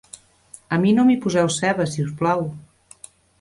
A mi no m'hi poseu ceba, si us plau.